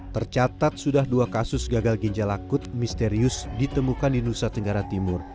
tercatat sudah dua kasus gagal ginjal akut misterius ditemukan di nusa tenggara timur